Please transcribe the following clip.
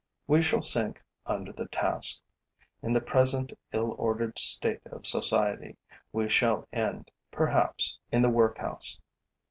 We shall sink under the task; in the present ill ordered state of society, we shall end, perhaps, in the workhouse.